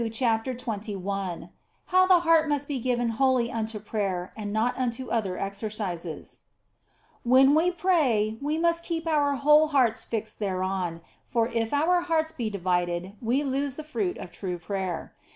CHAPTER XXI HOW THE HEART MUST BE GIVEN WHOLLY UNTO PRAYER AND NOT UNTO OTHER EXERCISES WHEN we pray we must keep our whole hearts fixed thereon, for if our hearts be divided we lose the fruit of true prayer.